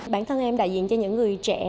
bản thân em đại diện cho những người trẻ